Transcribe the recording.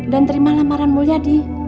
dan terima lamaran mulyadi